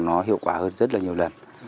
nó hiệu quả hơn rất là nhiều lần